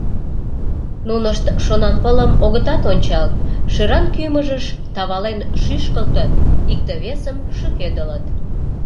Нунышт Шонанпылым огытат ончал, шӧран кӱмыжыш тавален шӱшкылтыт, икте-весым шӱкедылыт.